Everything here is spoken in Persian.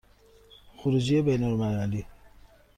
خروجی بین المللی